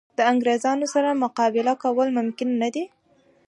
د انګرېزانو سره مقابله کول ممکن نه دي.